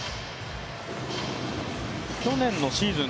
去年のシーズン